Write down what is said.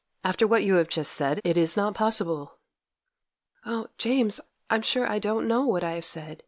'After what you have just said, it is not possible.' 'Oh! James, I'm sure I don't know what I have said.